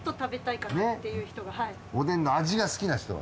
おでんの味が好きな人が。